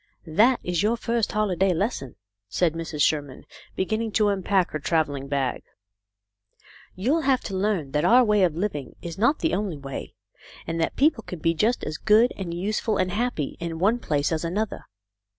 "That is your first holiday lesson," said Mrs. Sherman, beginning to unpack her travelling bag. " You'll have to learn that our way of living is not the only way, and that people can be just as good and useful and happy in one place as another.